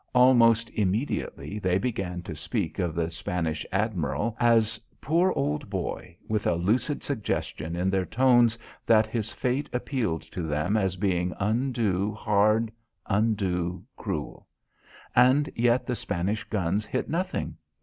Almost immediately they began to speak of the Spanish Admiral as "poor old boy" with a lucid suggestion in their tones that his fate appealed to them as being undue hard, undue cruel. And yet the Spanish guns hit nothing.